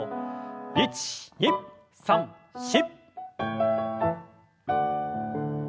１２３４！